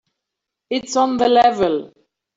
It's on the level.